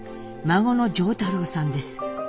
孫の譲太郎さんです。